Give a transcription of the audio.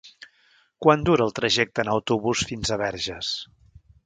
Quant dura el trajecte en autobús fins a Verges?